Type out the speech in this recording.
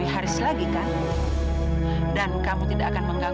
iya mila kamu tenang ya